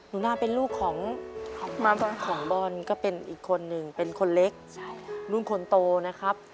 นูน่าเป็นลูกของบอลนี่ก็เป็นคนเหล็กคนโตนะครับ